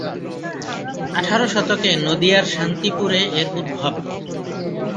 আঠারো শতকে নদীয়ার শান্তিপুরে এর উদ্ভব।